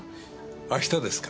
明日ですか？